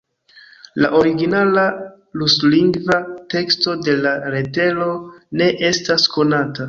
La originala, ruslingva teksto de la letero ne estas konata.